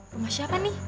rumah siapa nih